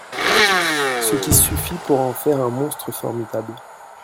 Ce qui suffit pour en faire un monstre formidable.